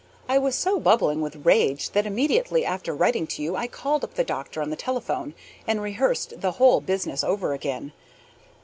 I was so bubbling with rage that immediately after writing to you I called up the doctor on the telephone, and rehearsed the whole business over again.